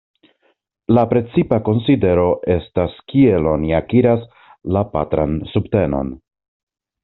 La precipa konsidero estas kiel oni akiras la patran subtenon.